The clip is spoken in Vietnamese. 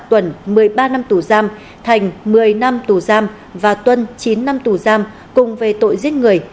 tuấn một mươi ba năm tù giam thành một mươi năm tù giam và tuân chín năm tù giam cùng về tội giết người